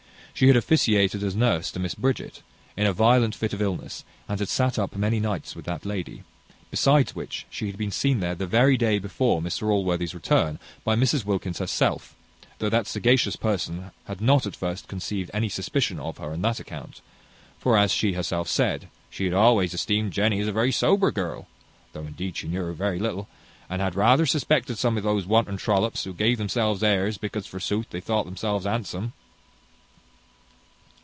She had officiated as nurse to Miss Bridget, in a violent fit of illness, and had sat up many nights with that lady; besides which, she had been seen there the very day before Mr Allworthy's return, by Mrs Wilkins herself, though that sagacious person had not at first conceived any suspicion of her on that account: for, as she herself said, "She had always esteemed Jenny as a very sober girl (though indeed she knew very little of her), and had rather suspected some of those wanton trollops, who gave themselves airs, because, forsooth, they thought themselves handsome."